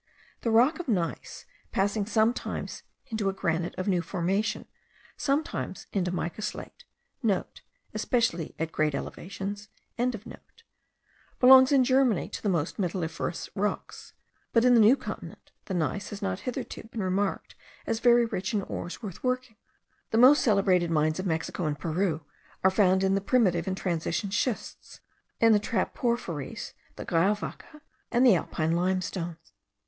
The rock of gneiss, passing sometimes into a granite of new formation, sometimes into mica slate,* (* Especially at great elevations.) belongs in Germany to the most metalliferous rocks; but in the New Continent, the gneiss has not hitherto been remarked as very rich in ores worth working. The most celebrated mines of Mexico and Peru are found in the primitive and transition schists, in the trap porphyries, the grauwakke, and the alpine limestones.